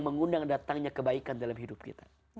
mengundang datangnya kebaikan dalam hidup kita